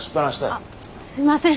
あっすいません。